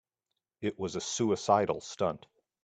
It was a suicidal stunt.